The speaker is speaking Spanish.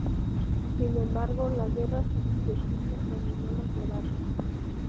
Sin embargo, la guerra civil de Siria dominó los debates.